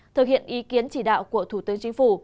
thực hiện ý kiến chỉ đạo của thủ tướng chính phủ